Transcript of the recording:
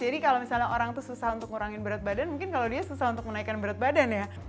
jadi kalau misalnya orang itu susah untuk ngurangin berat badan mungkin kalau dia susah untuk menaikkan berat badan ya